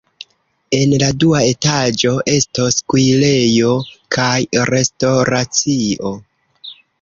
En la dua etaĝo estos kuirejo kaj restoracio.